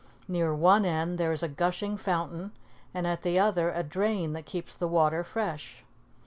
Near one end there is a gushing fountain and at the other a drain, that keep the water fresh.